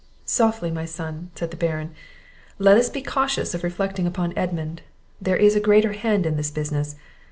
"Softly, my son!" said the Baron; "let us be cautious of reflecting upon Edmund; there is a greater hand in this business.